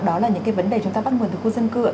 đó là những cái vấn đề chúng ta bắt nguồn từ khu dân cư ạ